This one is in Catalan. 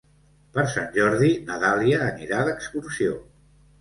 Per Sant Jordi na Dàlia anirà d'excursió.